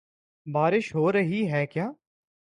بارش ہو رہی ہے کیا؟